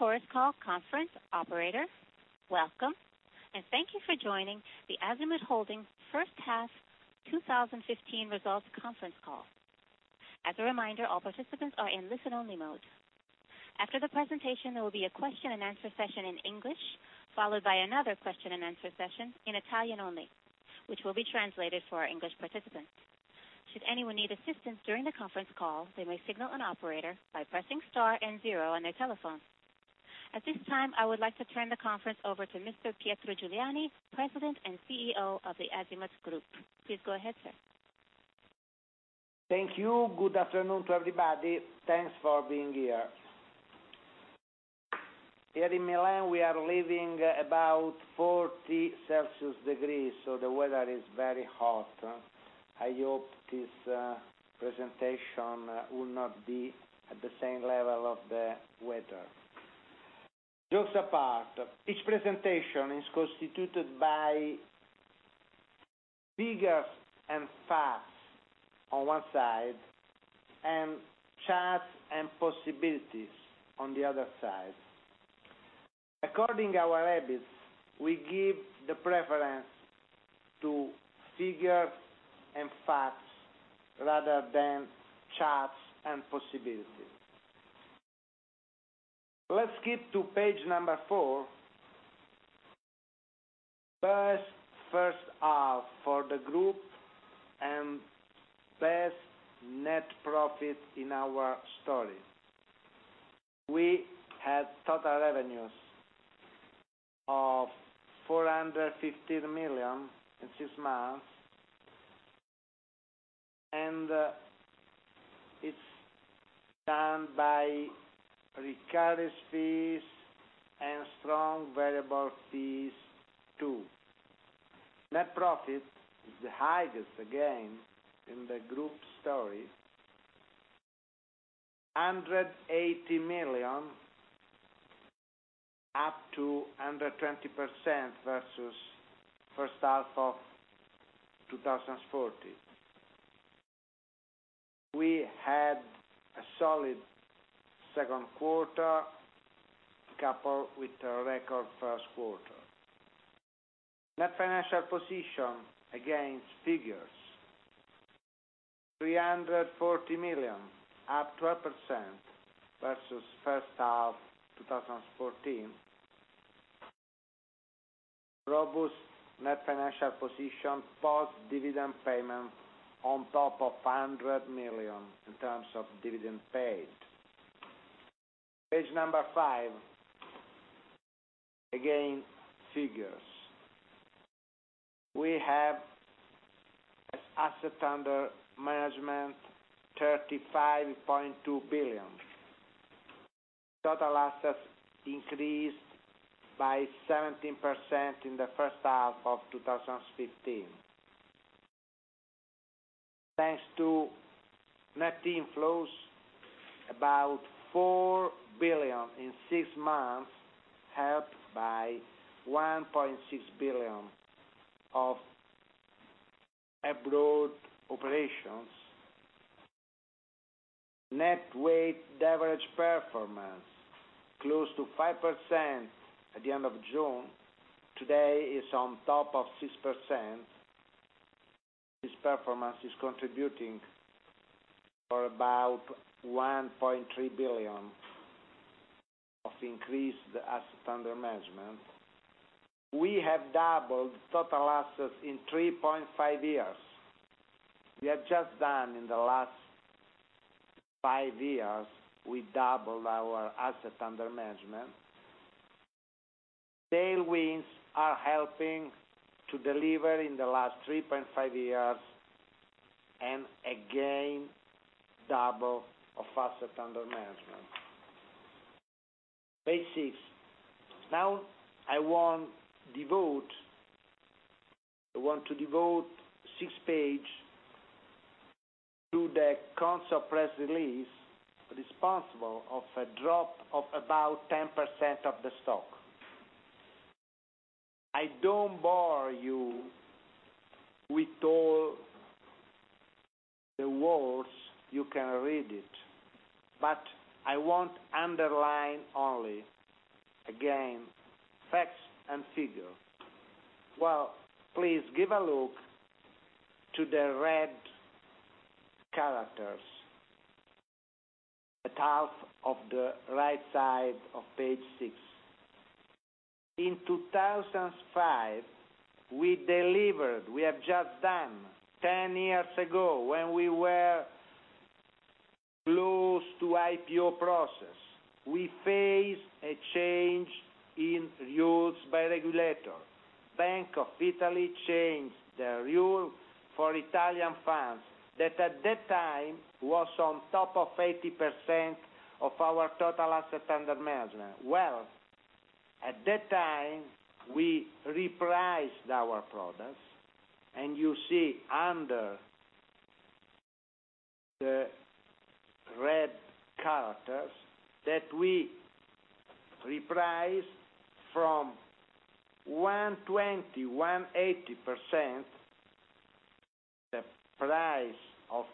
This is a Chorus Call conference operator. Welcome, and thank you for joining the Azimut Holding first half 2015 results conference call. As a reminder, all participants are in listen-only mode. After the presentation, there will be a question-and-answer session in English, followed by another question-and-answer session in Italian only, which will be translated for our English participants. Should anyone need assistance during the conference call, they may signal an operator by pressing star and zero on their telephone. At this time, I would like to turn the conference over to Mr. Pietro Giuliani, President and CEO of the Azimut Group. Please go ahead, sir. Thank you. Good afternoon to everybody. Thanks for being here. Here in Milan, we are living about 40 degrees Celsius, so the weather is very hot. I hope this presentation will not be at the same level of the weather. Jokes apart, each presentation is constituted by figures and facts on one side and charts and possibilities on the other side. According our habits, we give the preference to figures and facts rather than charts and possibilities. Let's skip to page number four. Best first half for the group and best net profit in our story. We had total revenues of EUR 450 million in six months. It's done by recurring fees and strong variable fees too. Net profit is the highest again in the group story. 180 million, up to 120% versus first half of 2014. We had a solid second quarter coupled with a record first quarter. Net financial position, again, figures. 340 million, up 12% versus first half 2014. Robust net financial position post-dividend payment on top of 100 million in terms of dividend paid. Page number five. Again, figures. We have as assets under management 35.2 billion. Total assets increased by 17% in the first half of 2015. Thanks to net inflows, about 4 billion in six months, helped by 1.6 billion of abroad operations. Net weight average performance close to 5% at the end of June. Today is on top of 6%. This performance is contributing for about 1.3 billion of increased assets under management. We have doubled total assets in 3.5 years. We have just done in the last five years, we doubled our assets under management. Tailwinds are helping to deliver in the last 3.5 years and again double of assets under management. Page six. Now, I want to devote six page to the concept press release, responsible of a drop of about 10% of the stock. I don't bore you with all the words. You can read it. I want underline only, again, facts and figures. Well, please give a look to the red characters at half of the right side of page six. In 2005, we delivered, we have just done 10 years ago, when we were close to IPO process. We faced a change in rules by regulator. Bank of Italy changed the rule for Italian firms that at that time was on top of 80% of our total assets under management. Well, at that time, we repriced our products. You see under the red characters that we repriced from 120, 180% price of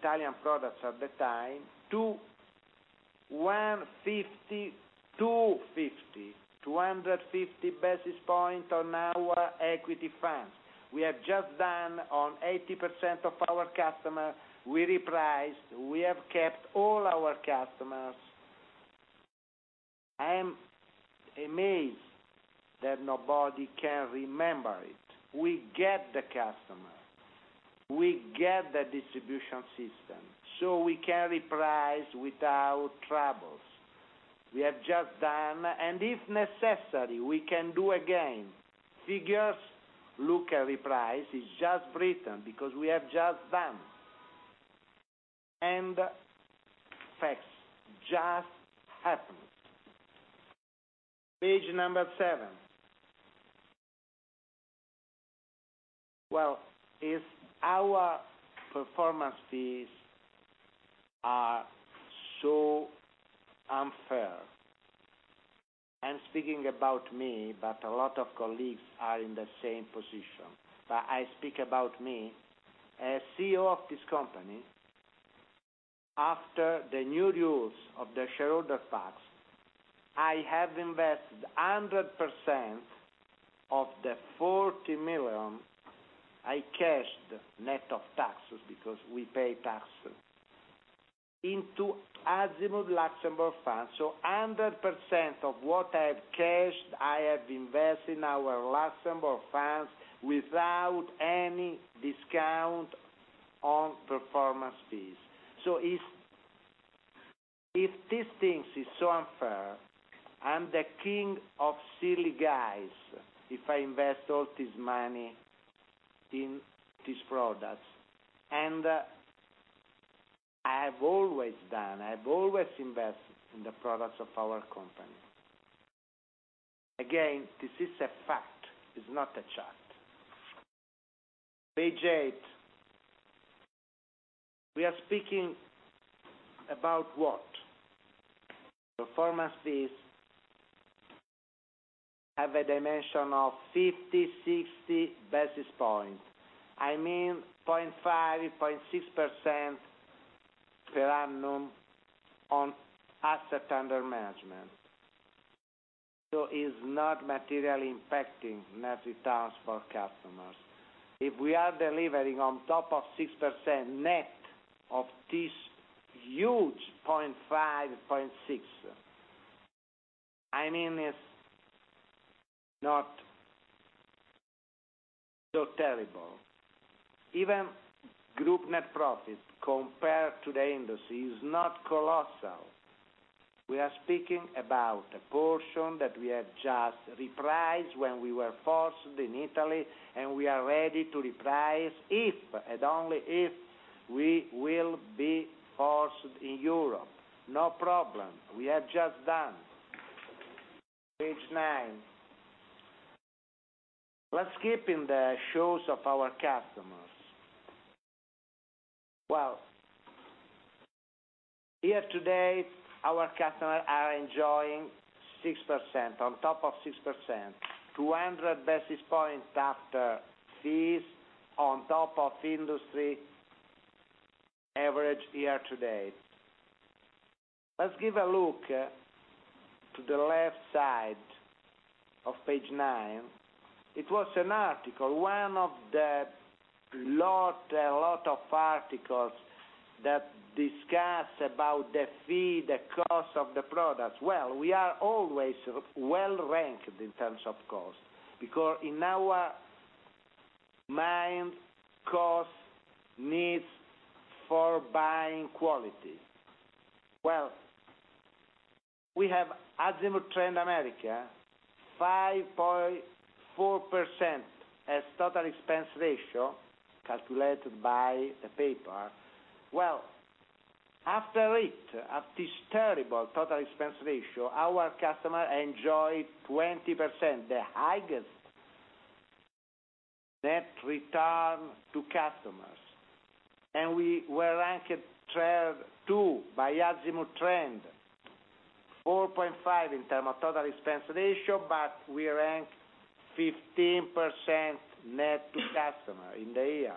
Italian products at the time to 150, 250. 250 basis point on our equity funds. We have just done on 80% of our customers, we repriced. We have kept all our customers. I am amazed that nobody can remember it. We get the customer. We get the distribution system. We can reprice without troubles. We have just done, and if necessary, we can do again. Figures, look at reprice, it's just written because we have just done. Facts just happened. Page number seven. Well, if our performance fees are so unfair, I'm speaking about me, but a lot of colleagues are in the same position. I speak about me, as CEO of this company, after the new rules of the shareholder pact, I have invested 100% of the 40 million I cashed, net of taxes, because we pay taxes, into AZ Fund 1. 100% of what I have cashed, I have invested in our Luxembourg funds without any discount on performance fees. If this thing is so unfair, I'm the king of silly guys if I invest all this money in these products, and I've always done, I've always invested in the products of our company. Again, this is a fact. It's not a chart. Page eight. We are speaking about what? Performance fees have a dimension of 50, 60 basis points. I mean, 0.5%, 0.6% per annum on asset under management. It's not materially impacting net returns for customers. If we are delivering on top of 6% net of this huge 0.5%, 0.6%, I mean, it's not so terrible. Even group net profit, compared to the industry, is not colossal. We are speaking about a portion that we have just repriced when we were forced in Italy, and we are ready to reprice if, and only if, we will be forced in Europe. No problem. We have just done. Page nine. Let's skip in the shoes of our customers. Well, year to date, our customers are enjoying 6%, on top of 6%, 200 basis points after fees on top of industry average year to date. Let's give a look to the left side of page nine. It was an article, one of the lot, a lot of articles that discuss about the fee, the cost of the products. Well, we are always well ranked in terms of cost because in our mind, cost needs for buying quality. Well, we have Azimut Trend America, 5.4% as total expense ratio calculated by the paper. Well, after it, at this terrible total expense ratio, our customer enjoy 20%, the highest net return to customers. We were ranked two by Azimut Trend, 4.5% in term of total expense ratio, but we rank 15% net to customer in the year.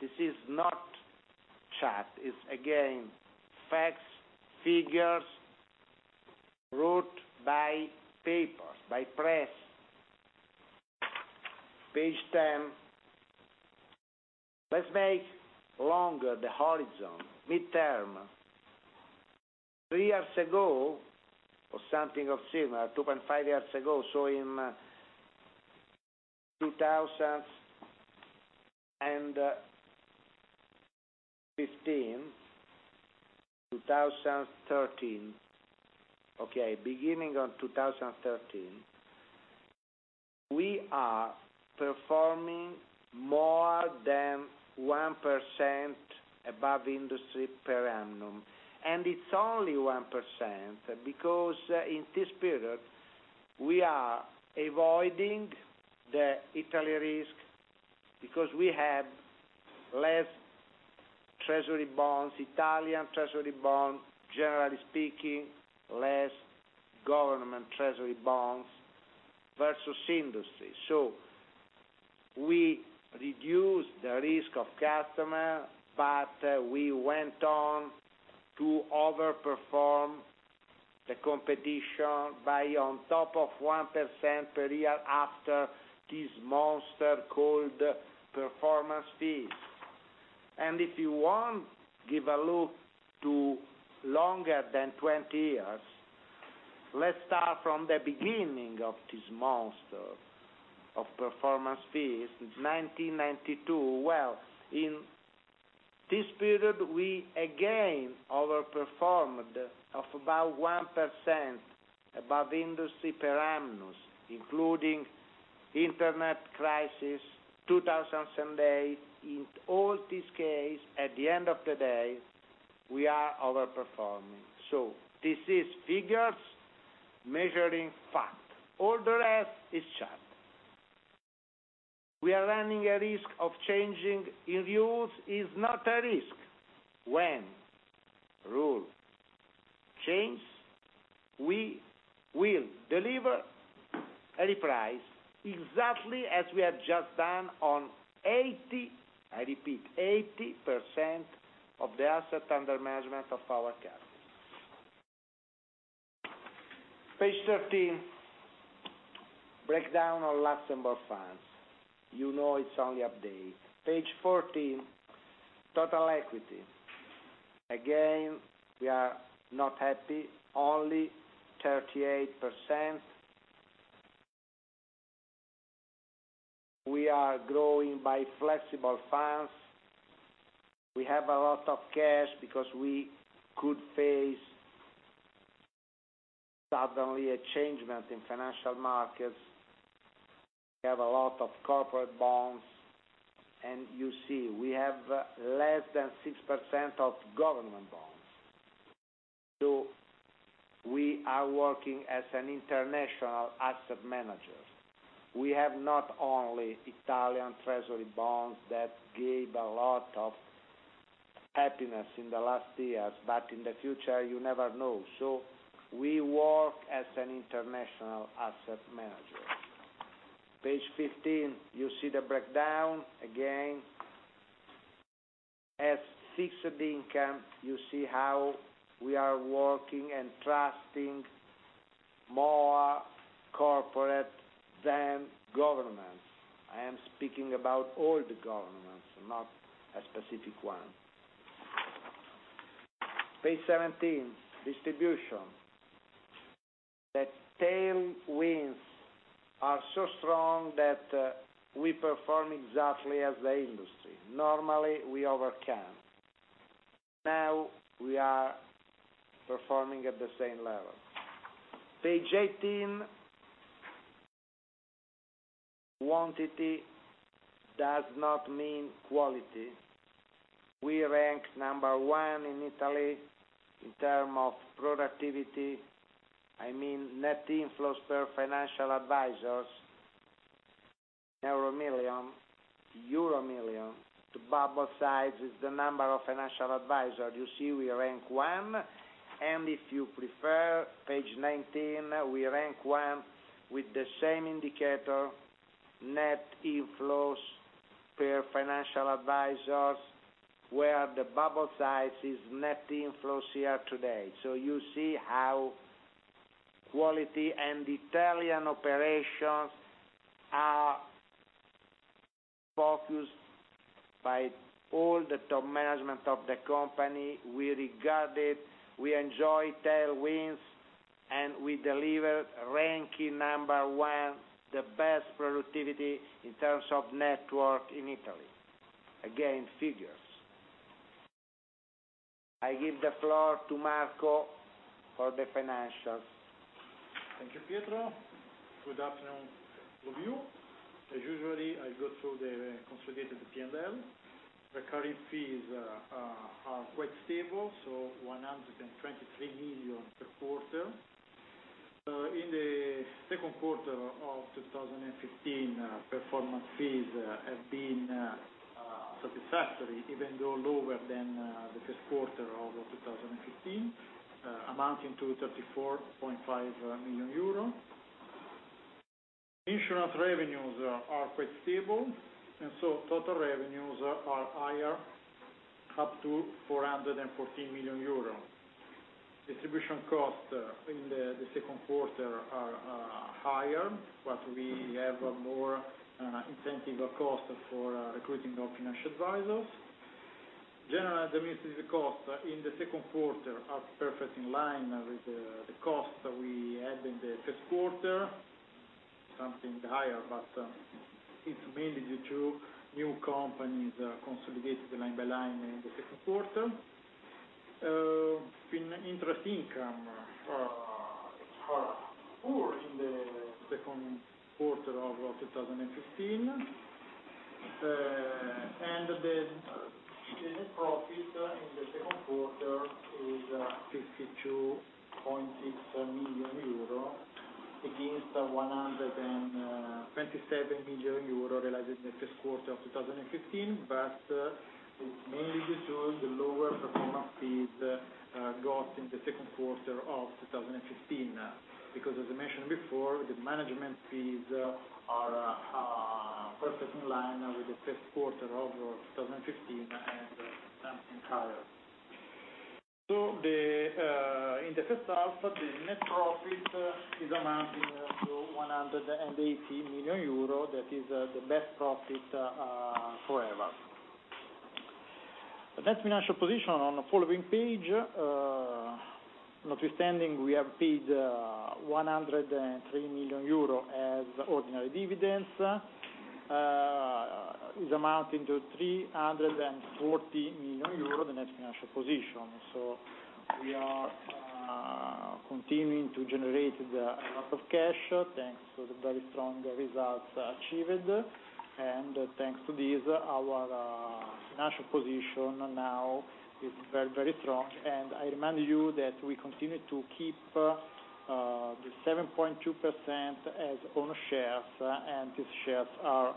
This is not chart. It's, again, facts, figures, wrote by papers, by press. Page 10. Let's make longer the horizon, midterm. Three years ago, or something of similar, 2.5 years ago, in 2015, 2013. Okay, beginning of 2013, we are performing more than 1% above industry per annum. It's only 1% because in this period, we are avoiding the Italy risk because we have less Treasury bonds, Italian treasury bonds, generally speaking, less government treasury bonds versus industry. We reduced the risk of customer, but we went on to over-perform the competition by on top of 1% per year after this monster called performance fees. If you want, give a look to longer than 20 years. Let's start from the beginning of this monster of performance fees, since 1992. In this period, we again over-performed of about 1%, above industry per annum, including internet crisis, 2008. In all this case, at the end of the day, we are over-performing. This is figures measuring fact. All the rest is chat. We are running a risk of changing in rules. It's not a risk. When rule change, we will deliver a price exactly as we have just done on 80, I repeat, 80% of the asset under management of our customers. Page 13, breakdown on Luxembourg funds. You know it's only update. Page 14, total equity. Again, we are not happy, only 38%. We are growing by flexible funds. We have a lot of cash because we could face suddenly a change in financial markets. We have a lot of corporate bonds. You see, we have less than 6% of government bonds. We are working as an international asset manager. We have not only Italian treasury bonds that gave a lot of happiness in the last years, but in the future, you never know. We work as an international asset manager. Page 15, you see the breakdown again. As fixed income, you see how we are working and trusting more corporate than governments. I am speaking about all the governments, not a specific one. Page 17, distribution. The tailwinds are so strong that we perform exactly as the industry. Normally, we overcame. Now we are performing at the same level. Page 18, quantity does not mean quality. We rank number one in Italy in terms of productivity. I mean, net inflows per financial advisors, EUR million to bubble size is the number of financial advisors. You see we rank one, if you prefer, page 19, we rank one with the same indicator, net inflows per financial advisors, where the bubble size is net inflows year-to-date. You see how quality and Italian operations are focused by all the top management of the company. We regard it, we enjoy tailwinds, and we deliver ranking number one, the best productivity in terms of network in Italy. Again, figures. I give the floor to Marco for the financials. Thank you, Pietro. Good afternoon to all of you. As usually, I go through the consolidated P&L. Recurrent fees are quite stable, 123 million per quarter. In the second quarter of 2015, performance fees have been satisfactory, even though lower than the first quarter of 2015, amounting to 34.5 million euro. Insurance revenues are quite stable, total revenues are higher, up to 414 million euro. Distribution costs in the second quarter are higher, but we have a more incentive cost for recruiting of financial advisors. General administrative costs in the second quarter are perfect in line with the cost we had in the first quarter, something higher, but it's mainly due to new companies consolidated line-by-line in the second quarter. In interest income are poor in the second quarter of 2015. The profit in the second quarter is 52.6 million euro. Against 127 million euro realized in the first quarter of 2015. It's mainly due to the lower performance fees got in the second quarter of 2015. As I mentioned before, the management fees are perfectly in line with the first quarter of 2015 and higher. In the first half, the net profit is amounting to 180 million euro. That is the best profit forever. The net financial position on the following page. Notwithstanding, we have paid 103 million euro as ordinary dividends, is amounting to 340 million euro, the net financial position. We are continuing to generate a lot of cash thanks to the very strong results achieved. Thanks to this, our financial position now is very strong. I remind you that we continue to keep the 7.2% as own shares, and these shares are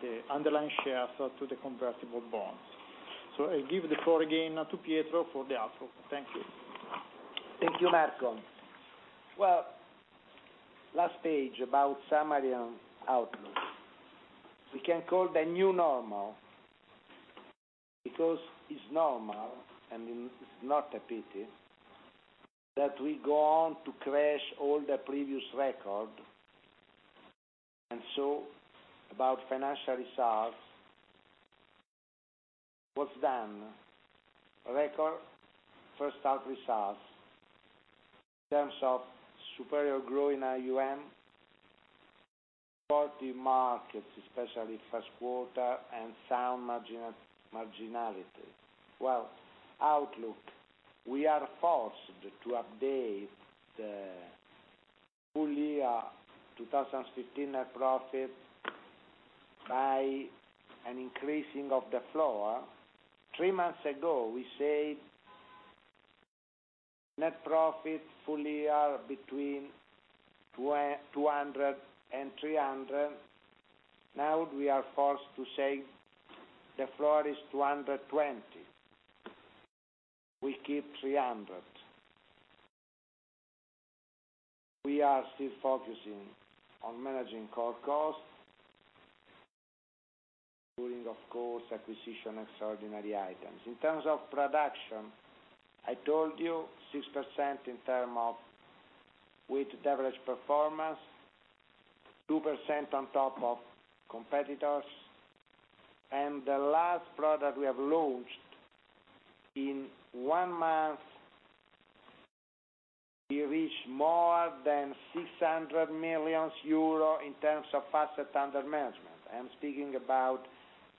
the underlying shares to the convertible bonds. I give the floor again to Pietro for the outlook. Thank you. Thank you, Marco. Last page about summary and outlook. We can call the new normal. It's normal, it's not a pity, that we go on to crash all the previous record, about financial results. What's done? Record first half results. In terms of superior growth in AUM, 40 markets, especially first quarter, and sound marginality. Outlook. We are forced to update the full year 2015 net profit by an increasing of the floor. Three months ago, we said net profit full year between 200 million and 300 million. Now we are forced to say the floor is 220 million. We keep 300 million. We are still focusing on managing core costs. Including, of course, acquisition extraordinary items. In terms of production, I told you 6% in terms of average performance, 2% on top of competitors. The last product we have launched, in one month, we reached more than 600 million euros in terms of asset under management. I'm speaking about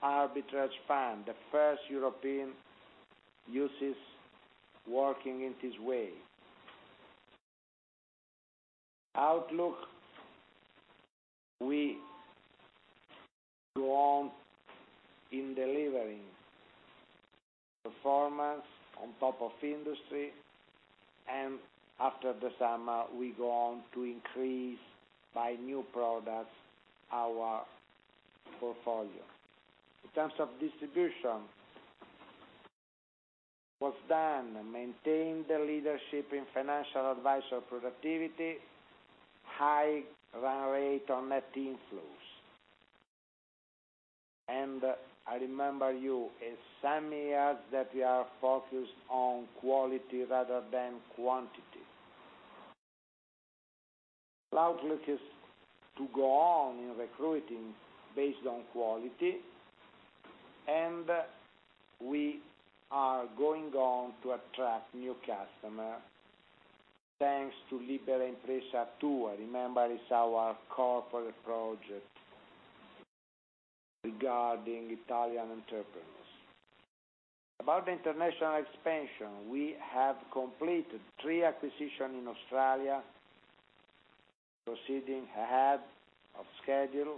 arbitrage fund, the first European UCITS working in this way. Outlook. We go on in delivering performance on top of industry, and after the summer, we go on to increase by new products our portfolio. In terms of distribution, what's done? Maintain the leadership in financial advisor productivity, high run rate on net inflows. I remember you, in some years, that we are focused on quality rather than quantity. Outlook is to go on in recruiting based on quality, and we are going on to attract new customer thanks to Libera Impresa too. Remember, it's our corporate project regarding Italian entrepreneurs. About international expansion, we have completed three acquisitions in Australia, proceeding ahead of schedule.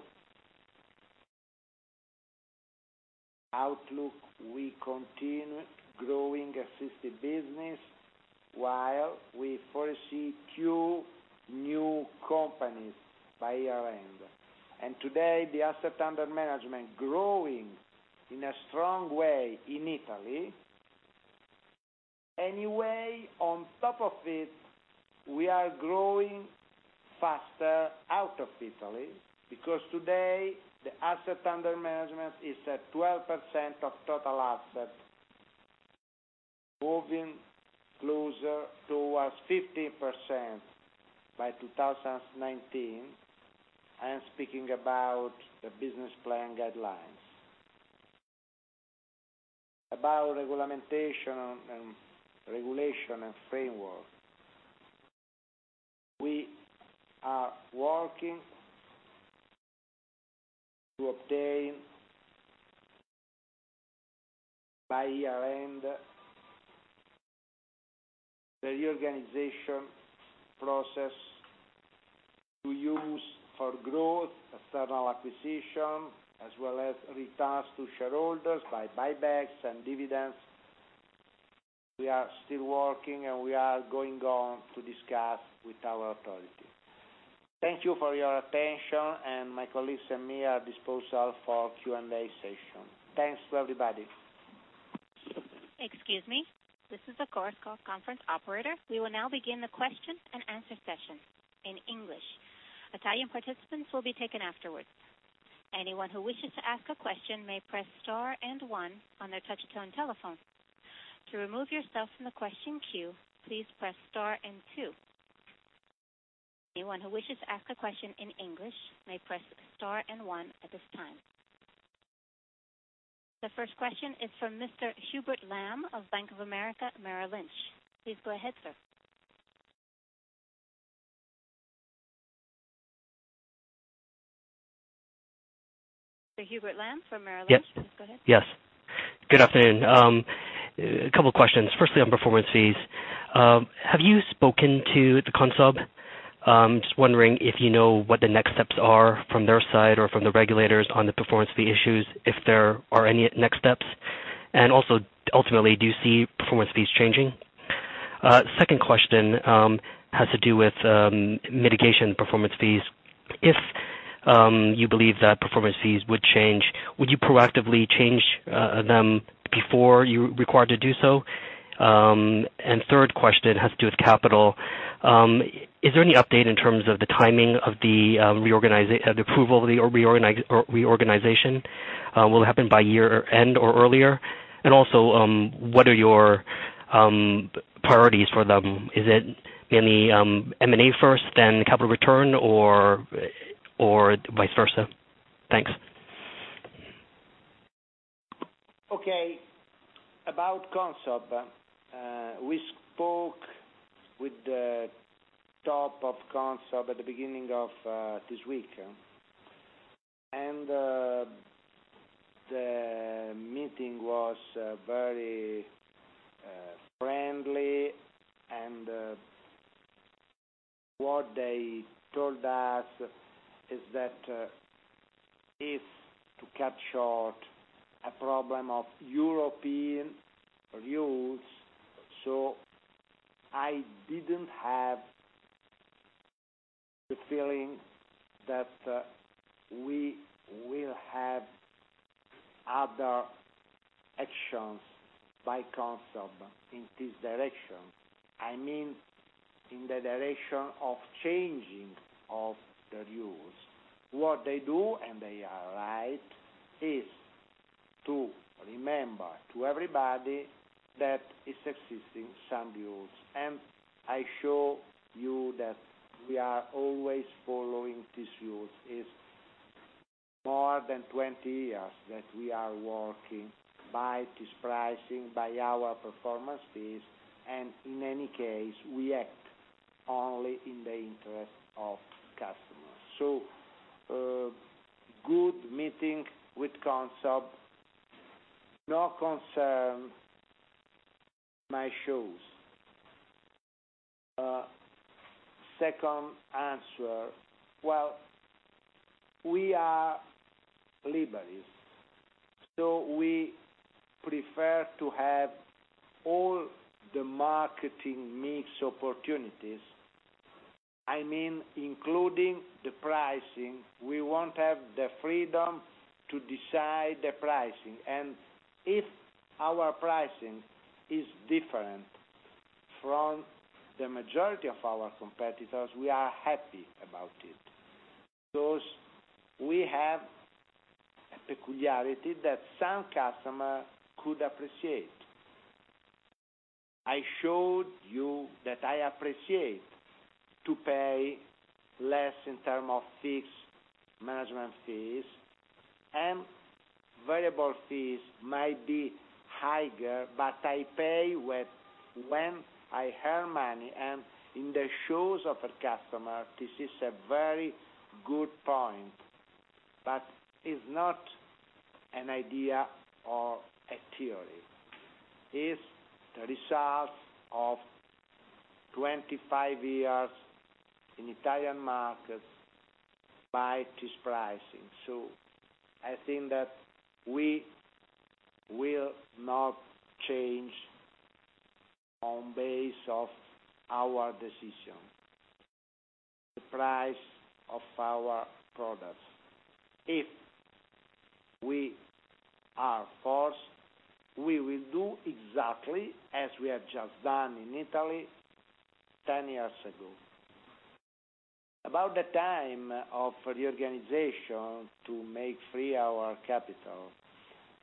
Outlook, we continue growing assisted business while we foresee two new companies by year-end. Today, the asset under management growing in a strong way in Italy. On top of it, we are growing faster out of Italy, because today the asset under management is at 12% of total asset, moving closer towards 15% by 2019. I am speaking about the business plan guidelines. About regulation and framework. We are working to obtain, by year-end, the reorganization process to use for growth, external acquisition, as well as returns to shareholders by buybacks and dividends. We are still working, we are going on to discuss with our authority. Thank you for your attention, my colleagues and me are at disposal for Q&A session. Thanks to everybody. Excuse me. This is the Chorus Call conference operator. We will now begin the question and answer session in English. Italian participants will be taken afterwards. Anyone who wishes to ask a question may press star and one on their touch-tone telephone. To remove yourself from the question queue, please press star and two. Anyone who wishes to ask a question in English may press star and one at this time. The first question is from Mr. Hubert Lam of Bank of America Merrill Lynch. Please go ahead, sir. Mr. Hubert Lam from Merrill Lynch. Yes. Please go ahead. Yes. Good afternoon. A couple questions. Firstly, on performance fees, have you spoken to the CONSOB? Just wondering if you know what the next steps are from their side or from the regulators on the performance fee issues, if there are any next steps. Also, ultimately, do you see performance fees changing? Second question has to do with mitigation performance fees. If you believe that performance fees would change, would you proactively change them before you're required to do so? Third question has to do with capital. Is there any update in terms of the timing of the approval of the reorganization? Will it happen by year-end or earlier? Also, what are your priorities for them? Is it any M&A first, then capital return or vice versa? Thanks. Okay. About CONSOB. We spoke with the top of CONSOB at the beginning of this week. The meeting was very friendly, and what they told us is that it is, to cut short, a problem of European rules. I didn't have the feeling that we will have other actions by CONSOB in this direction. I mean, in the direction of changing of the rules. What they do, and they are right, is to remember to everybody that is existing some rules. I show you that we are always following these rules. It is more than 20 years that we are working by this pricing, by our performance fees, and in any case, we act only in the interest of customers. Good meeting with CONSOB. No concern my views. Second answer. Well, we are liberals, we prefer to have all the marketing mix opportunities. I mean, including the pricing. We want to have the freedom to decide the pricing. If our pricing is different from the majority of our competitors, we are happy about it. We have a peculiarity that some customer could appreciate. I showed you that I appreciate to pay less in term of fixed management fees and variable fees might be higher, but I pay when I have money, and in the views of a customer, this is a very good point. It is not an idea or a theory. It is the result of 25 years in Italian markets by this pricing. I think that we will not change on base of our decision the price of our products. If we are forced, we will do exactly as we have just done in Italy 10 years ago. About the time of reorganization to make free our capital,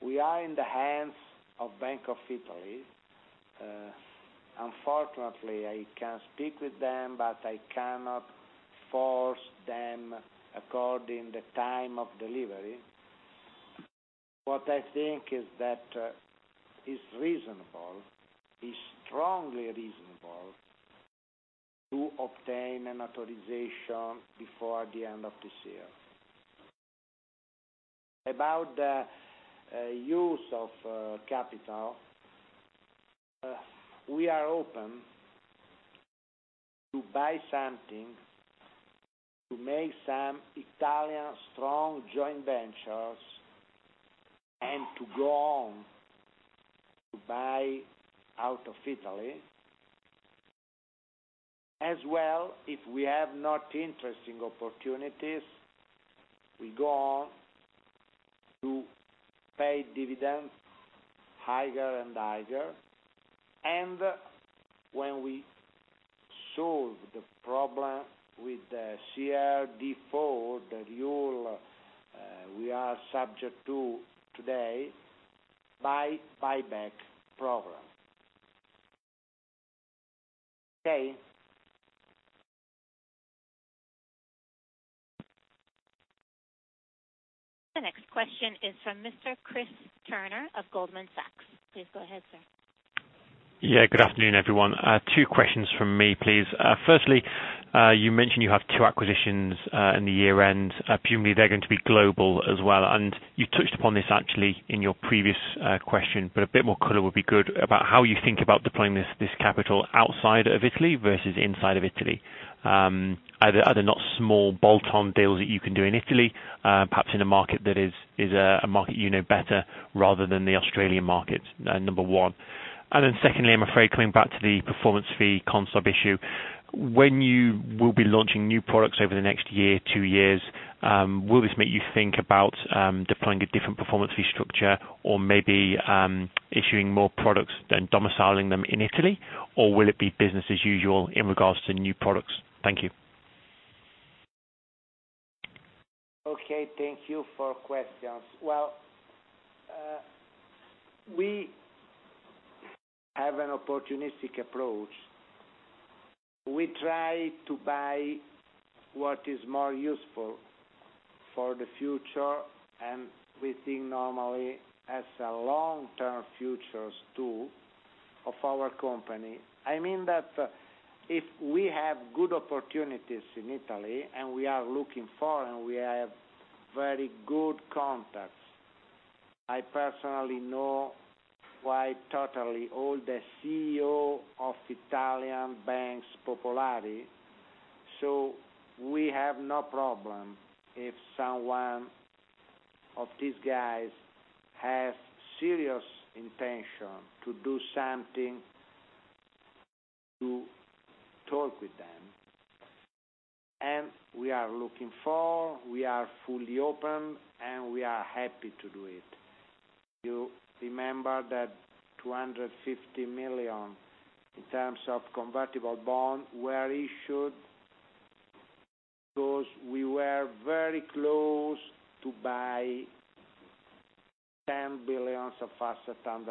we are in the hands of Bank of Italy. Unfortunately, I can speak with them, but I cannot force them according the time of delivery. What I think is that it is reasonable, is strongly reasonable to obtain an authorization before the end of this year. About the use of capital, we are open to buy something, to make some Italian strong joint ventures, and to go on to buy out of Italy. As well, if we have not interesting opportunities, we go on to pay dividends higher and higher. When we solve the problem with the CRD IV, the rule we are subject to today, by buyback program. Okay? The next question is from Mr. Chris Turner of Goldman Sachs. Please go ahead, sir. Good afternoon, everyone. Two questions from me, please. Firstly, you mentioned you have 2 acquisitions in the year-end. Presumably, they're going to be global as well, and you touched upon this actually in your previous question, but a bit more color would be good about how you think about deploying this capital outside of Italy versus inside of Italy. Are there not small bolt-on deals that you can do in Italy, perhaps in a market that is a market you know better rather than the Australian market? Number one. Secondly, I'm afraid, coming back to the performance fee CONSOB issue. When you will be launching new products over the next year, 2 years, will this make you think about deploying a different performance fee structure or maybe issuing more products than domiciling them in Italy? Will it be business as usual in regards to new products? Thank you. Thank you for questions. We have an opportunistic approach. We try to buy what is more useful for the future, and we think normally as a long-term futures too of our company. I mean, if we have good opportunities in Italy, and we are looking for, and we have very good contacts. I personally know quite totally all the CEO of Italian banks, Popolari. We have no problem if someone of these guys has serious intention to do something, to talk with them. We are looking for, we are fully open, and we are happy to do it. You remember that 250 million in terms of convertible bonds were issued because we were very close to buy 10 billion of AUM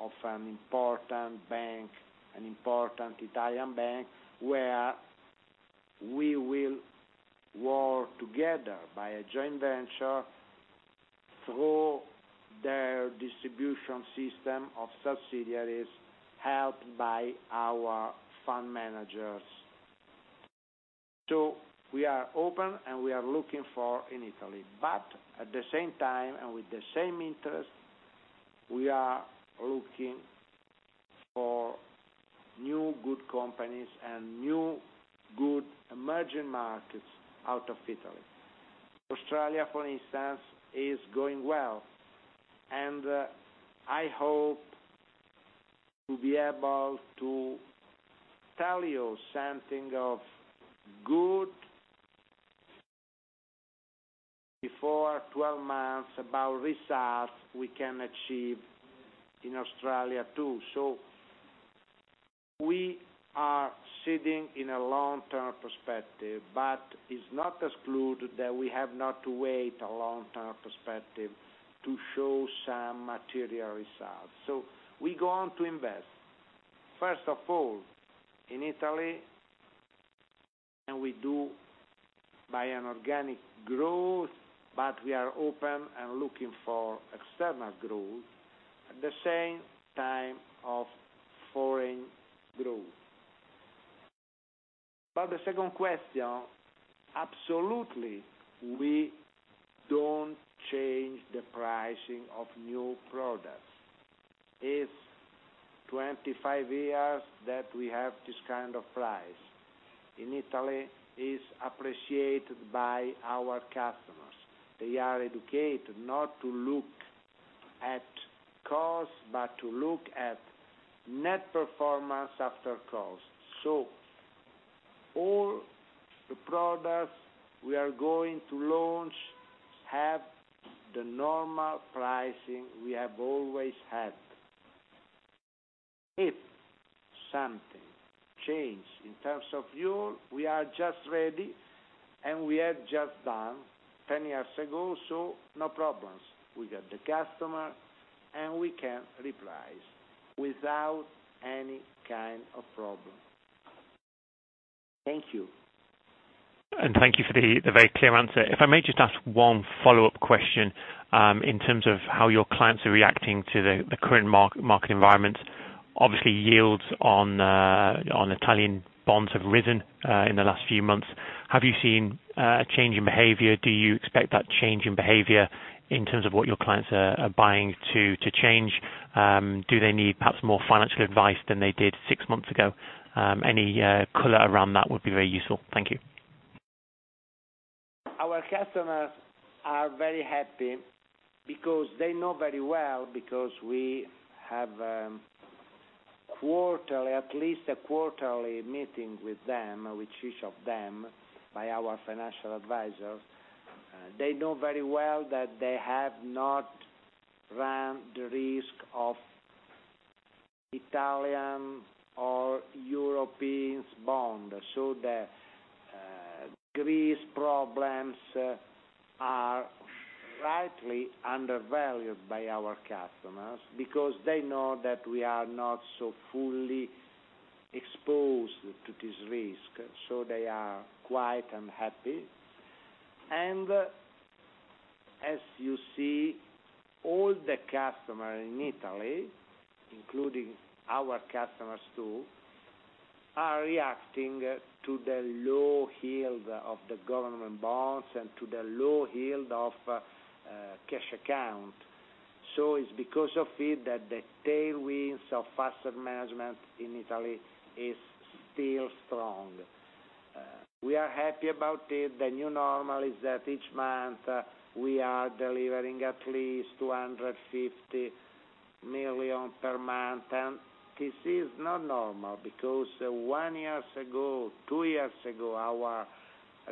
of an important bank, an important Italian bank, where we will work together by a joint venture through their distribution system of subsidiaries helped by our fund managers. We are open, and we are looking for in Italy. At the same time, and with the same interest, we are looking for new good companies and new good emerging markets out of Italy. Australia, for instance, is going well. I hope to be able to tell you something of good before 12 months about results we can achieve in Australia too. We are sitting in a long-term perspective, but it's not excluded that we have not to wait a long-term perspective to show some material results. We go on to invest, first of all, in Italy, and we do by an organic growth, but we are open and looking for external growth at the same time of foreign growth. About the second question, absolutely, we don't change the pricing of new products. It's 25 years that we have this kind of price. In Italy, it's appreciated by our customers. They are educated not to look at cost, but to look at net performance after cost. All the products we are going to launch have the normal pricing we have always had. If something changes in terms of yield, we are just ready, and we have just done 10 years ago, so no problems. We got the customer, and we can reprice without any kind of problem. Thank you. Thank you for the very clear answer. If I may just ask one follow-up question in terms of how your clients are reacting to the current market environment. Obviously, yields on Italian bonds have risen in the last few months. Have you seen a change in behavior? Do you expect that change in behavior in terms of what your clients are buying to change? Do they need perhaps more financial advice than they did six months ago? Any color around that would be very useful. Thank you. Our customers are very happy because they know very well, because we have at least a quarterly meeting with each of them by our financial advisors. They know very well that they have not run the risk of Italian or European bonds. The Greece problems are rightly undervalued by our customers because they know that we are not so fully exposed to this risk. They are quiet and happy. As you see, all the customers in Italy, including our customers too, are reacting to the low yield of the government bonds and to the low yield of cash account. It's because of it that the tailwinds of asset management in Italy is still strong. We are happy about it. The new normal is that each month we are delivering at least 250 million per month, and this is not normal because one year ago, two years ago, our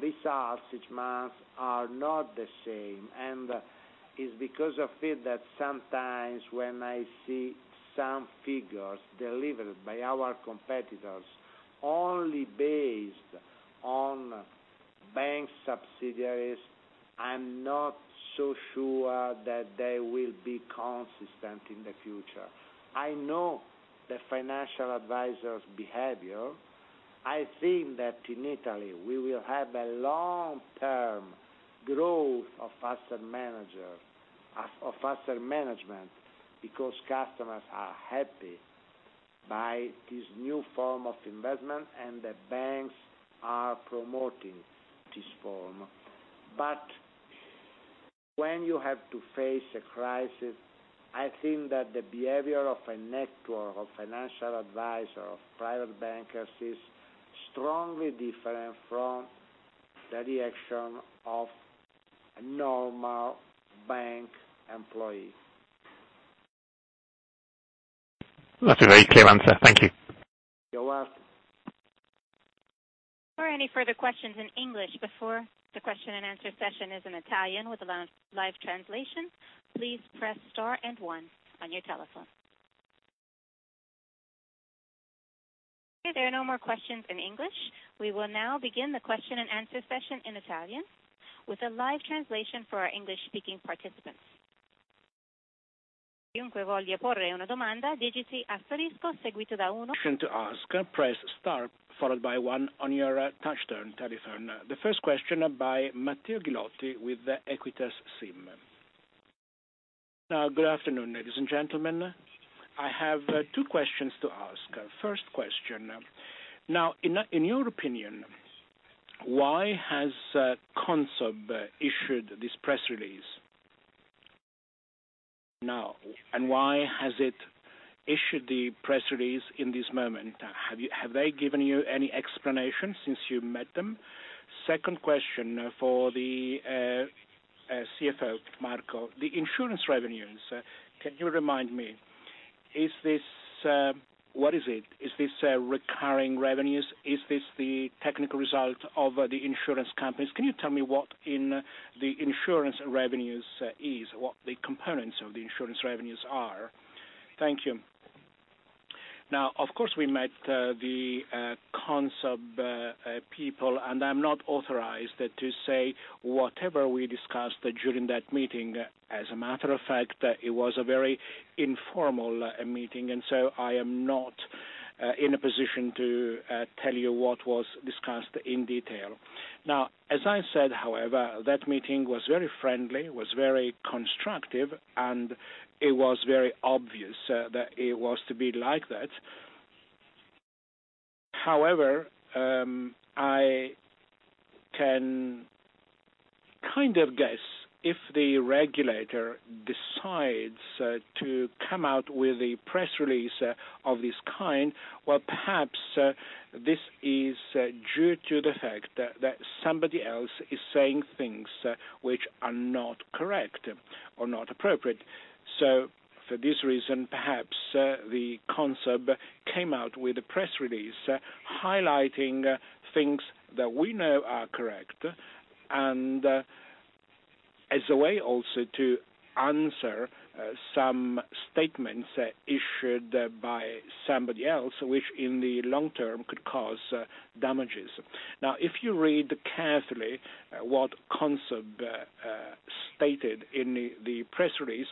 results each month are not the same. It's because of it that sometimes when I see some figures delivered by our competitors, only based on bank subsidiaries, I'm not so sure that they will be consistent in the future. I know the financial advisor's behavior. I think that in Italy, we will have a long-term growth of asset management because customers are happy by this new form of investment, and the banks are promoting this form. When you have to face a crisis, I think that the behavior of a network of financial advisors, of private bankers, is strongly different from the reaction of a normal bank employee. That's a very clear answer. Thank you. You're welcome. For any further questions in English before the question and answer session is in Italian with a live translation, please press star and one on your telephone. If there are no more questions in English, we will now begin the question and answer session in Italian with a live translation for our English speaking participants. Press star, followed by one on your touchtone telephone. The first question by Matteo Ghilotti with the Equita SIM. Good afternoon, ladies and gentlemen. I have two questions to ask. First question. In your opinion, why has CONSOB issued this press release now, and why has it issued the press release in this moment? Have they given you any explanation since you met them? Second question for the CFO, Marco. The insurance revenues, can you remind me, what is it? Is this recurring revenues? Is this the technical result of the insurance companies? Can you tell me what in the insurance revenues is? What the components of the insurance revenues are? Thank you. Of course, we met the CONSOB people, and I'm not authorized to say whatever we discussed during that meeting. As a matter of fact, it was a very informal meeting, and so I am not in a position to tell you what was discussed in detail. As I said, however, that meeting was very friendly, was very constructive, and it was very obvious that it was to be like that. However, I can kind of guess if the regulator decides to come out with a press release of this kind, well, perhaps, this is due to the fact that somebody else is saying things which are not correct or not appropriate. For this reason, perhaps, the CONSOB came out with a press release highlighting things that we know are correct, and as a way also to answer some statements issued by somebody else, which in the long term could cause damages. If you read carefully what CONSOB stated in the press release,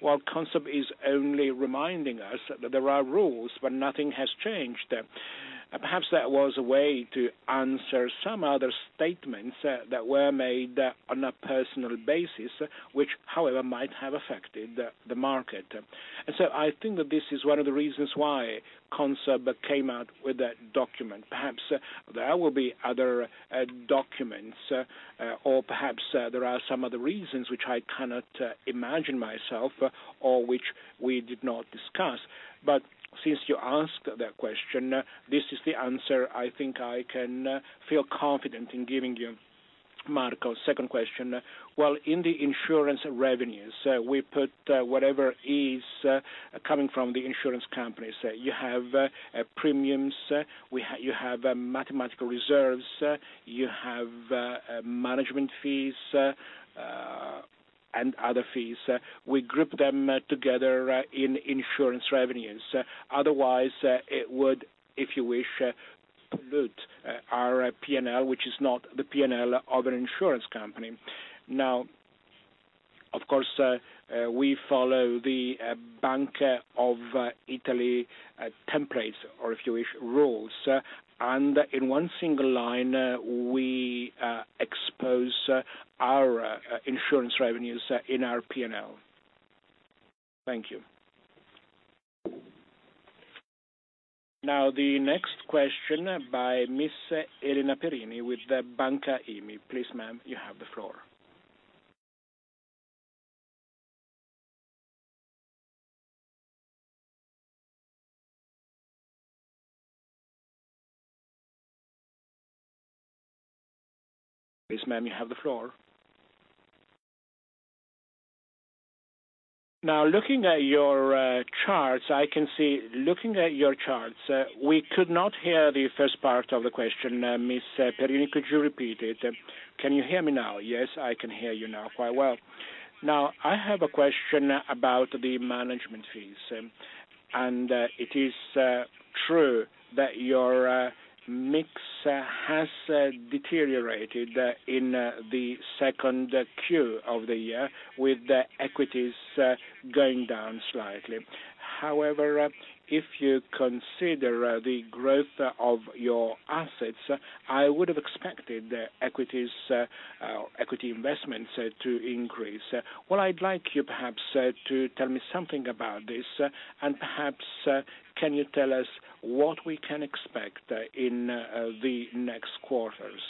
while CONSOB is only reminding us that there are rules, but nothing has changed. Perhaps that was a way to answer some other statements that were made on a personal basis, which, however, might have affected the market. I think that this is one of the reasons why CONSOB came out with that document. Perhaps there will be other documents, or perhaps there are some other reasons which I cannot imagine myself or which we did not discuss. Since you asked that question, this is the answer I think I can feel confident in giving you. Marco, second question. In the insurance revenues, we put whatever is coming from the insurance companies. You have premiums, you have mathematical reserves, you have management fees, and other fees. We group them together in insurance revenues. Otherwise, it would, if you wish, pollute our P&L, which is not the P&L of an insurance company. Of course, we follow the Bank of Italy templates, or if you wish, rules. In one single line, we expose our insurance revenues in our P&L. Thank you. The next question by Ms. Elena Perini with Banca IMI. Please, ma'am, you have the floor. Please, ma'am, you have the floor. Looking at your charts, we could not hear the first part of the question. Ms. Perini, could you repeat it? Can you hear me now? Yes, I can hear you now quite well. I have a question about the management fees. It is true that your mix has deteriorated in the second Q of the year with the equities going down slightly. If you consider the growth of your assets, I would have expected equity investments to increase. What I'd like you, perhaps, to tell me something about this, and perhaps, can you tell us what we can expect in the next quarters?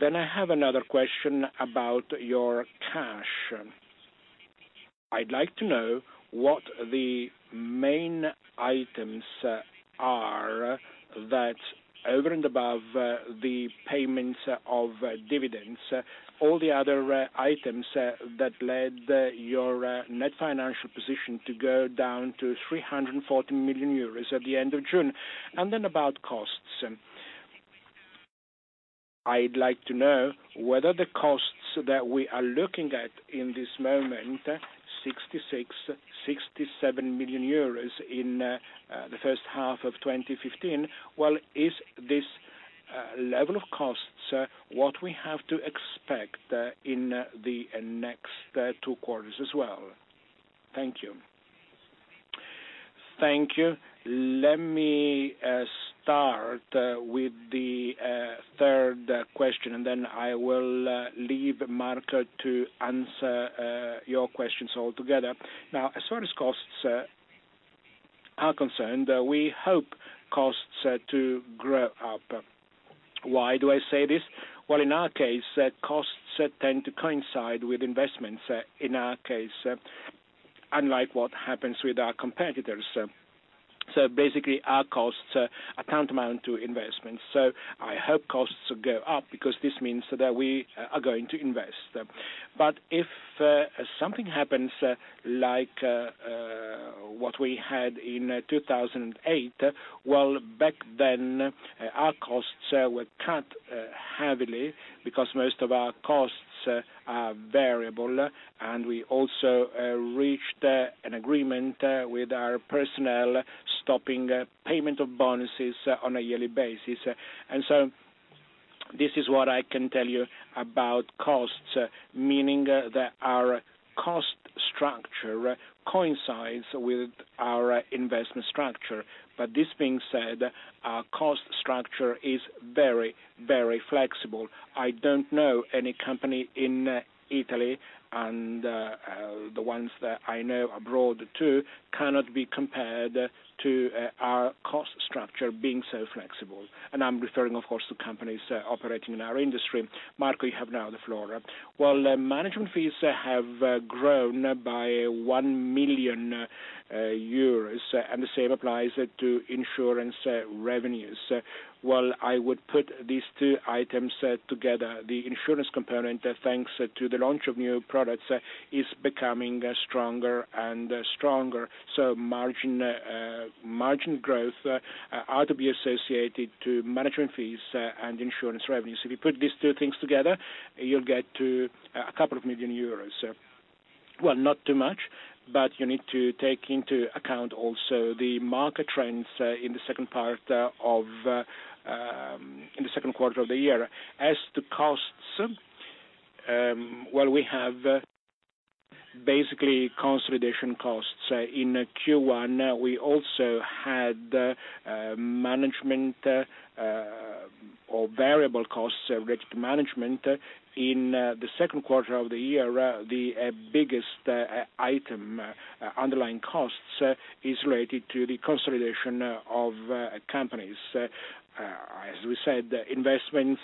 I have another question about your cash. I'd like to know what the main items are that over and above the payments of dividends, all the other items that led your net financial position to go down to 340 million euros at the end of June. About costs. I'd like to know whether the costs that we are looking at in this moment, 66 million, 67 million euros in the first half of 2015, well, is this level of costs what we have to expect in the next two quarters as well? Thank you. Thank you. Let me start with the third question. Then I will leave Marco to answer your questions altogether. As far as costs are concerned, we hope costs to grow up. Why do I say this? Well, in our case, costs tend to coincide with investments, in our case, unlike what happens with our competitors. Basically, our costs amount to investments. I hope costs go up because this means that we are going to invest. If something happens like what we had in 2008, well, back then, our costs were cut heavily because most of our costs are variable, and we also reached an agreement with our personnel, stopping payment of bonuses on a yearly basis. This is what I can tell you about costs, meaning that our cost structure coincides with our investment structure. This being said, our cost structure is very, very flexible. I don't know any company in Italy, the ones that I know abroad too, cannot be compared to our cost structure being so flexible. I'm referring, of course, to companies operating in our industry. Marco, you have now the floor. Well, management fees have grown by 1 million euros. The same applies to insurance revenues. Well, I would put these two items together. The insurance component, thanks to the launch of new products, is becoming stronger and stronger. Margin growth are to be associated to management fees and insurance revenues. If you put these two things together, you'll get to a couple of million EUR. Well, not too much, but you need to take into account also the market trends in the second quarter of the year. As to costs, well, we have Basically, consolidation costs. In Q1, we also had management or variable costs related to management. In the second quarter of the year, the biggest item, underlying costs, is related to the consolidation of companies. As we said, investments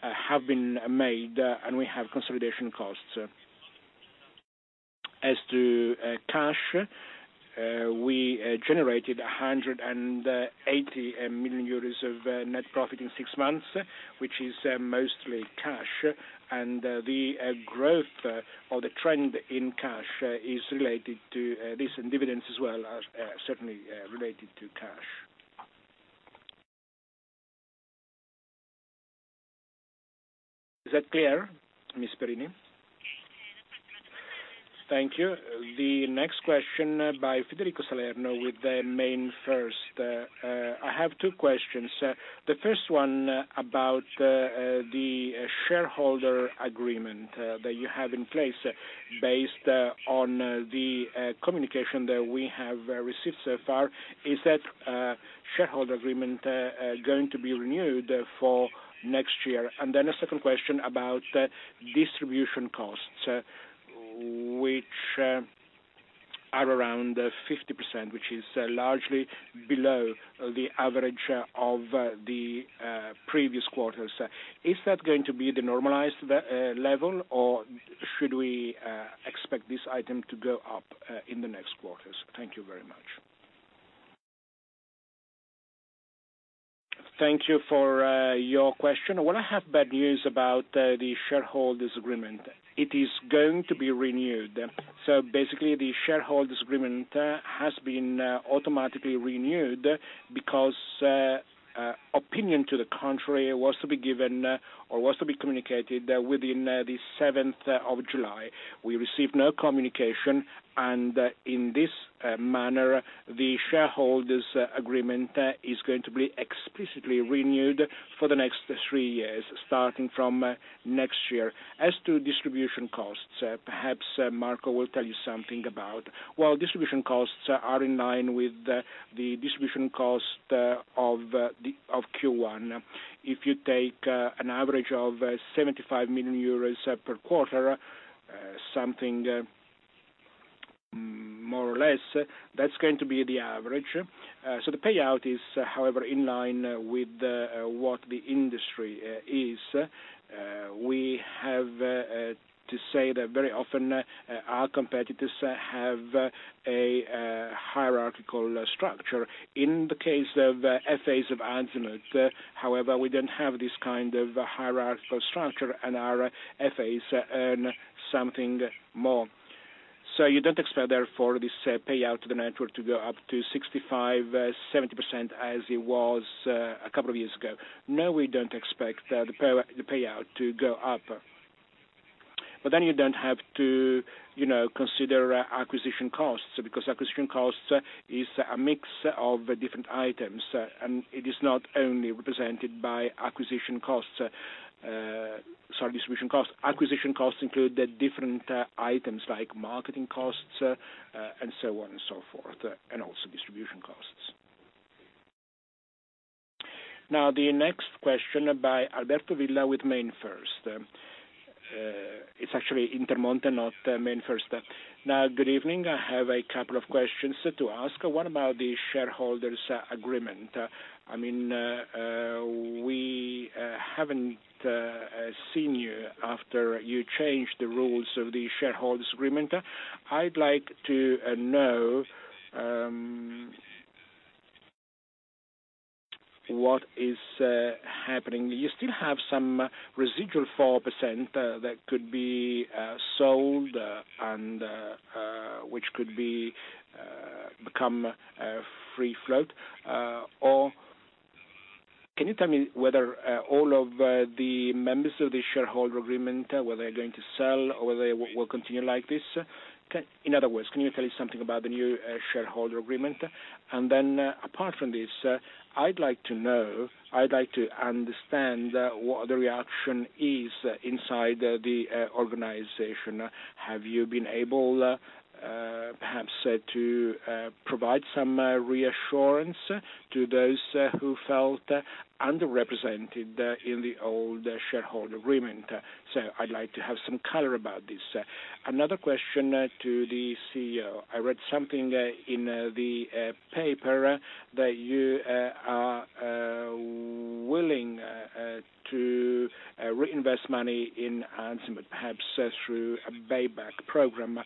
have been made, and we have consolidation costs. As to cash, we generated 180 million euros of net profit in six months, which is mostly cash. The growth or the trend in cash is related to this, and dividends as well, are certainly related to cash. Is that clear, Ms. Perini? Okay. Thank you. The next question by Federico Salerno with MainFirst. I have two questions. The first one about the shareholder agreement that you have in place. Based on the communication that we have received so far, is that shareholder agreement going to be renewed for next year? Then a second question about distribution costs, which are around 50%, which is largely below the average of the previous quarters. Is that going to be the normalized level, or should we expect this item to go up in the next quarters? Thank you very much. Thank you for your question. Well, I have bad news about the shareholders' agreement. It is going to be renewed. Basically, the shareholders' agreement has been automatically renewed because opinion to the contrary was to be given or was to be communicated within the 7th of July. We received no communication, in this manner, the shareholders' agreement is going to be explicitly renewed for the next three years, starting from next year. As to distribution costs, perhaps Marco will tell you something about. Distribution costs are in line with the distribution cost of Q1. If you take an average of 75 million euros per quarter, something more or less, that's going to be the average. The payout is however in line with what the industry is. We have to say that very often, our competitors have a hierarchical structure. In the case of FAs of Azimut, however, we don't have this kind of hierarchical structure, and our FAs earn something more. You don't expect, therefore, this payout to the network to go up to 65%-70% as it was a couple of years ago. No, we don't expect the payout to go up. You don't have to consider acquisition costs, because acquisition costs is a mix of different items, and it is not only represented by distribution costs. Acquisition costs include the different items like marketing costs, and so on and so forth, and also distribution costs. The next question by Alberto Villa with MainFirst. It's actually Intermonte, not MainFirst. Good evening. I have a couple of questions to ask. What about the shareholders' agreement? We haven't seen you after you changed the rules of the shareholders' agreement. I'd like to know what is happening. You still have some residual 4% that could be sold, and which could become free float. Can you tell me whether all of the members of the shareholders' agreement, whether they're going to sell or whether they will continue like this? In other words, can you tell me something about the new shareholders' agreement? Apart from this, I'd like to know, I'd like to understand what the reaction is inside the organization. Have you been able, perhaps, to provide some reassurance to those who felt underrepresented in the old shareholders' agreement? I'd like to have some color about this. Another question to the CEO. I read something in the paper that you are willing to reinvest money in Azimut, perhaps through a buyback program.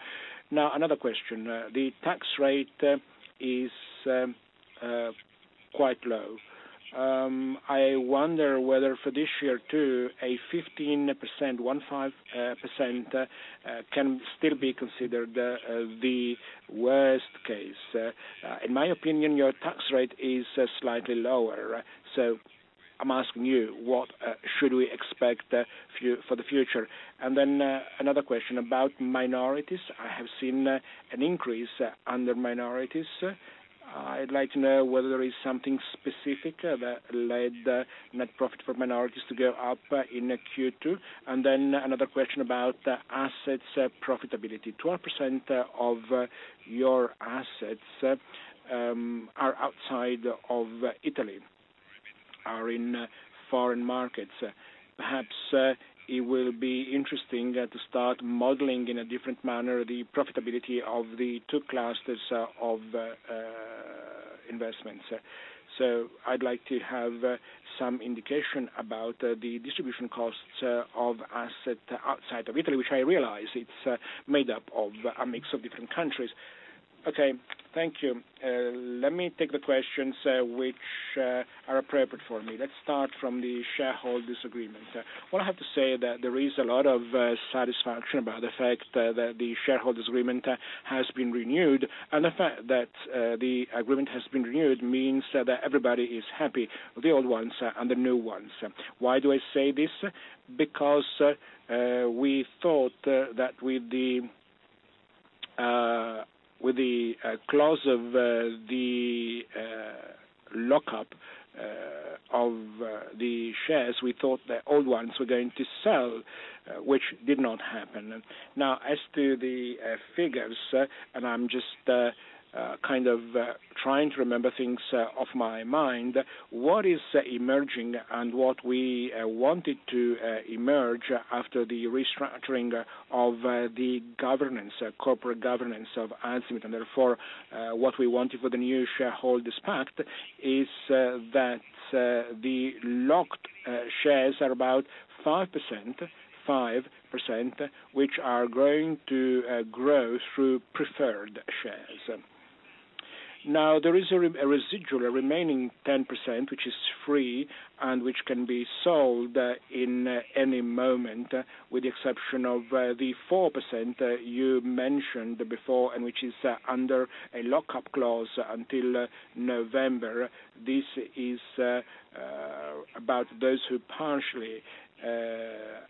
Another question. The tax rate is quite low. I wonder whether for this year, too, a 15% can still be considered the worst case. In my opinion, your tax rate is slightly lower. I'm asking you, what should we expect for the future? Another question about minorities. I have seen an increase under minorities. I'd like to know whether there is something specific that led net profit for minorities to go up in Q2. Another question about assets profitability. 12% of your assets are outside of Italy, are in foreign markets. Perhaps it will be interesting to start modeling in a different manner the profitability of the two classes of investments. I'd like to have some indication about the distribution costs of assets outside of Italy, which I realize it's made up of a mix of different countries. Thank you. Let me take the questions which are appropriate for me. Let's start from the shareholders' agreement. What I have to say that there is a lot of satisfaction about the fact that the shareholders' agreement has been renewed, the fact that the agreement has been renewed means that everybody is happy, the old ones and the new ones. Why do I say this? Because we thought that with the close of the lockup of the shares, we thought the old ones were going to sell, which did not happen. As to the figures, and I'm just trying to remember things off my mind, what is emerging and what we wanted to emerge after the restructuring of the corporate governance of Azimut, and therefore, what we wanted for the new shareholders pact is that the locked shares are about 5%, which are going to grow through preferred shares. There is a residual, a remaining 10%, which is free and which can be sold in any moment, with the exception of the 4% you mentioned before, and which is under a lock-up clause until November. This is about those who partially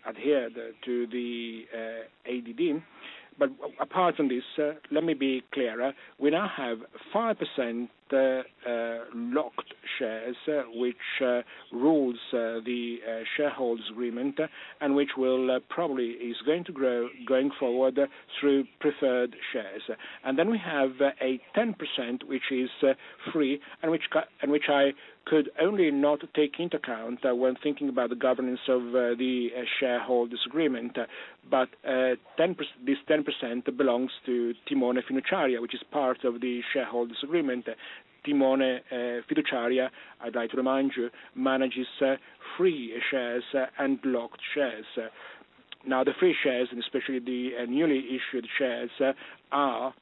adhered to the ADD. Apart from this, let me be clearer. We now have 5% locked shares, which rules the shareholders agreement and which probably is going to grow going forward through preferred shares. We have a 10%, which is free and which I could only not take into account when thinking about the governance of the shareholders agreement, but this 10% belongs to Timone Fiduciaria, which is part of the shareholders agreement. Timone Fiduciaria, I'd like to remind you, manages free shares and blocked shares. The free shares, and especially the newly issued shares, are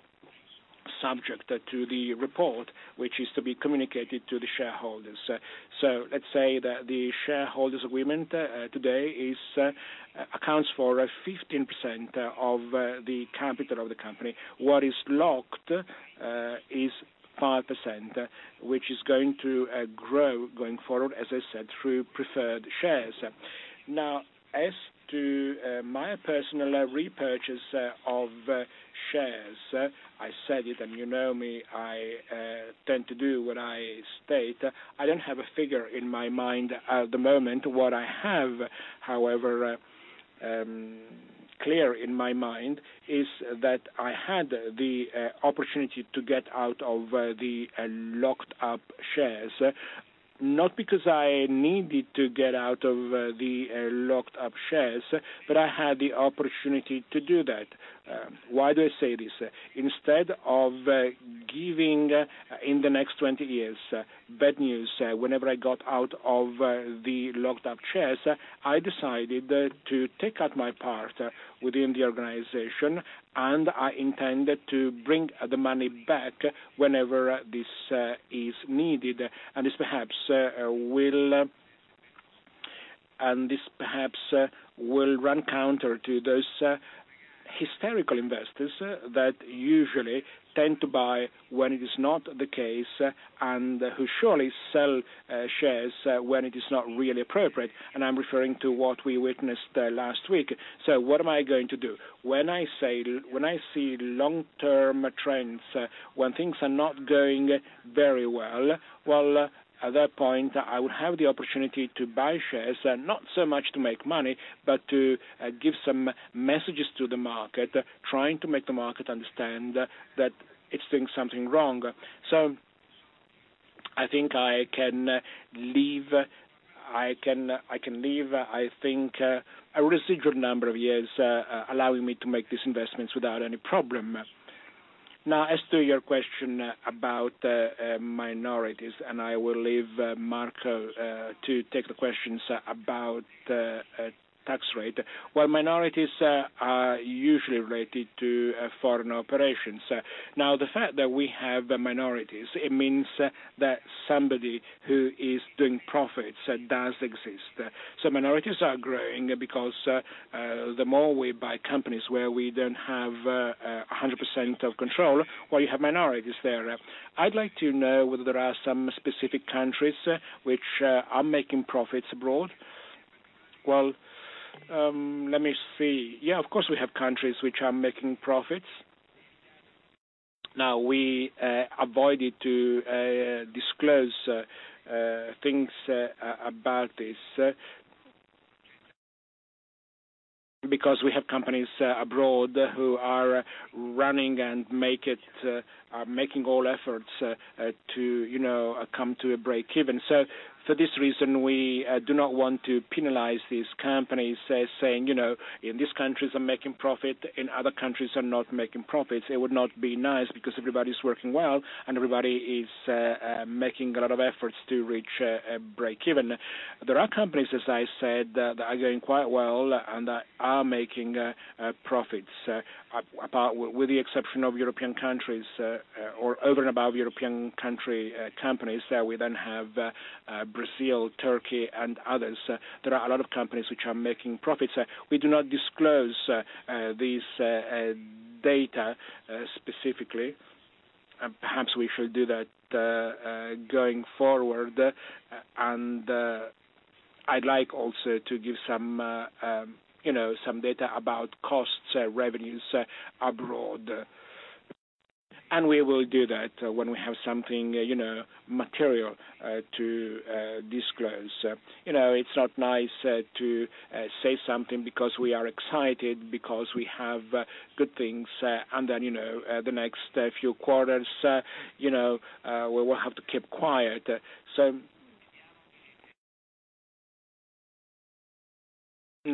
subject to the report, which is to be communicated to the shareholders. Let's say that the shareholders agreement today accounts for 15% of the capital of the company. What is locked is 5%, which is going to grow going forward, as I said, through preferred shares. As to my personal repurchase of shares, I said it, and you know me, I tend to do what I state. I don't have a figure in my mind at the moment. What I have, however, clear in my mind is that I had the opportunity to get out of the locked-up shares. Not because I needed to get out of the locked-up shares, but I had the opportunity to do that. Why do I say this? Instead of giving, in the next 20 years, bad news whenever I got out of the locked-up shares, I decided to take out my part within the organization, and I intended to bring the money back whenever this is needed. This perhaps will run counter to those hysterical investors that usually tend to buy when it is not the case, and who surely sell shares when it is not really appropriate, and I'm referring to what we witnessed last week. What am I going to do? When I see long-term trends, when things are not going very well, well, at that point, I would have the opportunity to buy shares, not so much to make money, but to give some messages to the market, trying to make the market understand that it's doing something wrong. I think I can leave a residual number of years allowing me to make these investments without any problem. As to your question about minorities, and I will leave Marco to take the questions about tax rate. Well, minorities are usually related to foreign operations. The fact that we have minorities, it means that somebody who is doing profits does exist. Minorities are growing because the more we buy companies where we don't have 100% of control, well, you have minorities there. I'd like to know whether there are some specific countries which are making profits abroad. Well, let me see. Of course, we have countries which are making profits. We avoided to disclose things about this, because we have companies abroad who are running and are making all efforts to come to a breakeven. For this reason, we do not want to penalize these companies by saying, "These countries are making profit, and other countries are not making profits." It would not be nice because everybody's working well, and everybody is making a lot of efforts to reach breakeven. There are companies, as I said, that are doing quite well and that are making profits. With the exception of European countries, or over and above European companies, we then have Brazil, Turkey, and others. There are a lot of companies which are making profits. We do not disclose this data specifically. Perhaps we should do that going forward. I'd like also to give some data about costs, revenues abroad. We will do that when we have something material to disclose. It's not nice to say something because we are excited, because we have good things, and then, the next few quarters, we will have to keep quiet.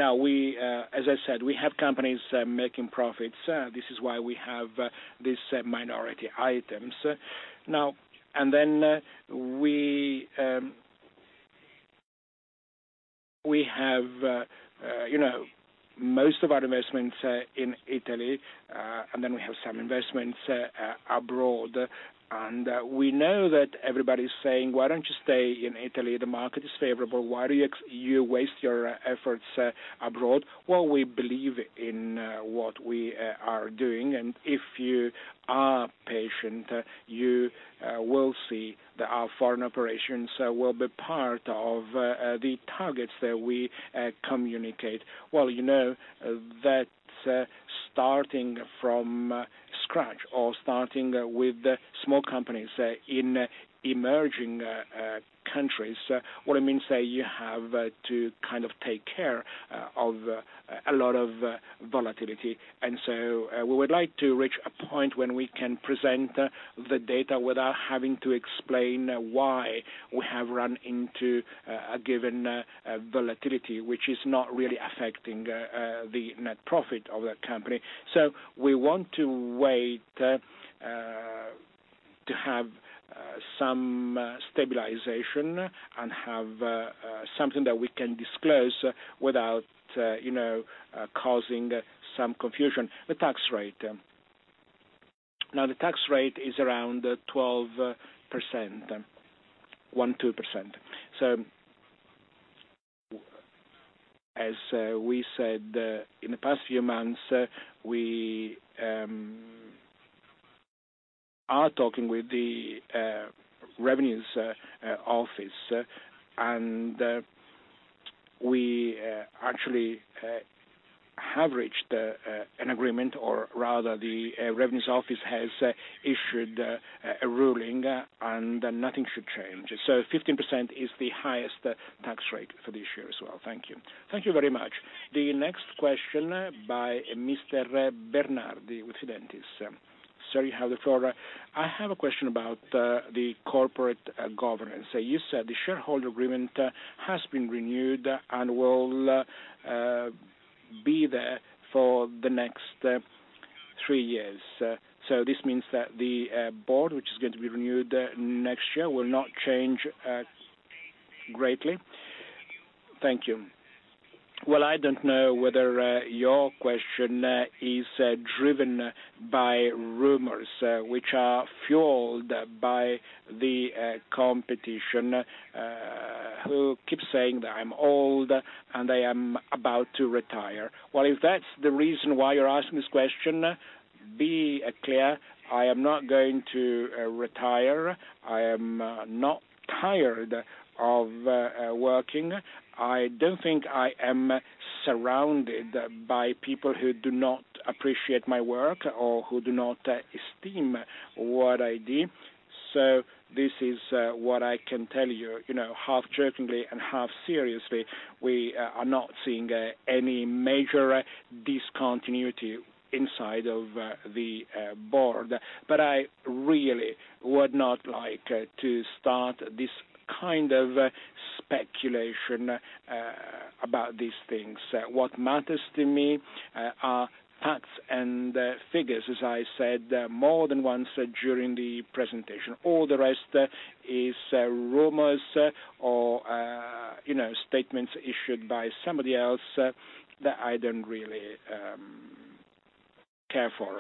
As I said, we have companies making profits. This is why we have these minority items. We have most of our investments in Italy, and then we have some investments abroad. We know that everybody's saying, "Why don't you stay in Italy? The market is favorable. Why do you waste your efforts abroad?" Well, we believe in what we are doing, and if you are patient, you will see that our foreign operations will be part of the targets that we communicate. Well, you know that starting from scratch or starting with small companies in emerging countries, what it means is you have to kind of take care of a lot of volatility. We would like to reach a point when we can present the data without having to explain why we have run into a given volatility, which is not really affecting the net profit of that company. We want to wait to have some stabilization and have something that we can disclose without causing some confusion. The tax rate. The tax rate is around 12%. As we said, in the past few months, we are talking with the revenues office, we actually have reached an agreement, or rather, the revenues office has issued a ruling, nothing should change. 15% is the highest tax rate for this year as well. Thank you. Thank you very much. The next question by Mr. Bernardi with Fidentiis. Sir, you have the floor. I have a question about the corporate governance. You said the shareholder agreement has been renewed and will be there for the next three years. This means that the board, which is going to be renewed next year, will not change greatly? Thank you. Well, I don't know whether your question is driven by rumors which are fueled by the competition, who keep saying that I'm old and I am about to retire. If that's the reason why you're asking this question, be clear, I am not going to retire. I am not tired of working. I don't think I am surrounded by people who do not appreciate my work or who do not esteem what I do. This is what I can tell you, half jokingly and half seriously. We are not seeing any major discontinuity inside of the board. I really would not like to start this kind of speculation about these things. What matters to me are facts and figures, as I said more than once during the presentation. All the rest is rumors or statements issued by somebody else that I don't really care for.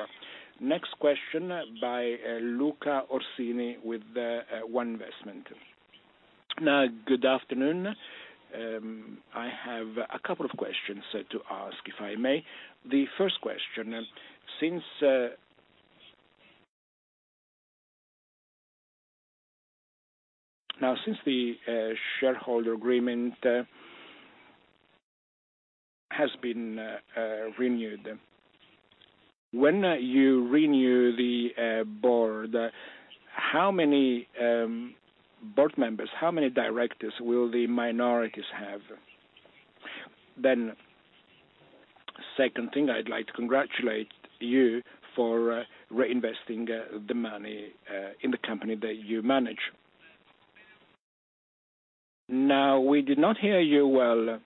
Next question by Luca Orsini with One Investments. Good afternoon. I have a couple of questions to ask, if I may. The first question, since the shareholder agreement has been renewed, when you renew the board, how many board members, how many directors will the minorities have? Second thing, I'd like to congratulate you for reinvesting the money in the company that you manage. We did not hear you well.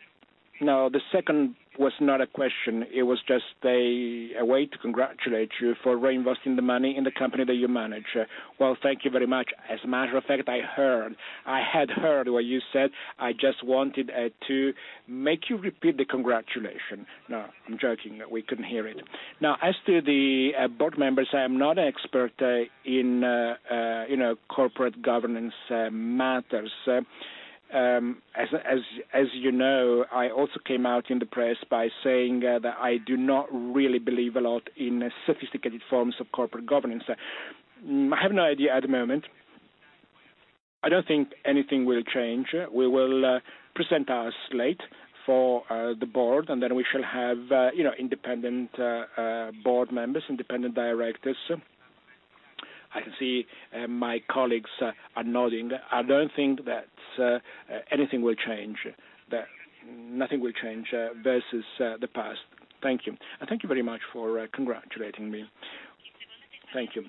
The second was not a question. It was just a way to congratulate you for reinvesting the money in the company that you manage. Thank you very much. As a matter of fact, I had heard what you said. I just wanted to make you repeat the congratulation. I'm joking. We couldn't hear it. As to the board members, I am not an expert in corporate governance matters. As you know, I also came out in the press by saying that I do not really believe a lot in sophisticated forms of corporate governance. I have no idea at the moment. I don't think anything will change. We will present our slate for the board, then we shall have independent board members, independent directors. I can see my colleagues are nodding. I don't think that anything will change, that nothing will change versus the past. Thank you. Thank you very much for congratulating me. Thank you.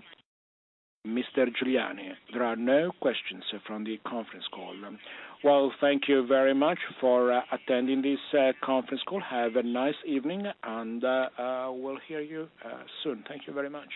Mr. Giuliani, there are no questions from the conference call. Thank you very much for attending this conference call. Have a nice evening, and we'll hear you soon. Thank you very much.